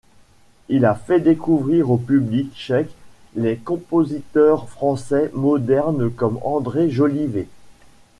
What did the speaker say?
Il a fait découvrir au public tchèque les compositeurs français modernes comme André Jolivet.